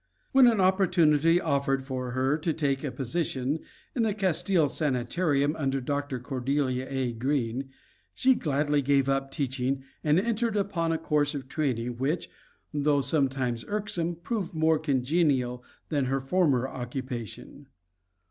When an opportunity offered for her to take a position in the Castile Sanitarium under Dr. Cordelia A. Greene, she gladly gave up teaching and entered upon a course of training which, though sometimes irksome, proved more congenial than her former occupation.